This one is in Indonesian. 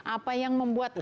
apa yang membuat anda